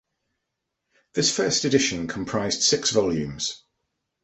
This first edition comprised six volumes.